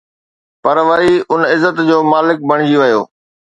پر وري ان عزت جو مالڪ بڻجي ويو